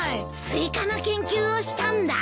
スイカの研究をしたんだ。